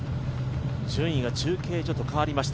順位が中継所と変わりました。